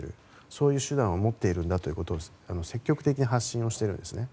そういう手段を持っているんだと積極的に発信をしているんですね。